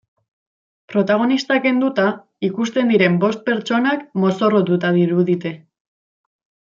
Protagonista kenduta, ikusten diren bost pertsonak mozorrotuta dirudite.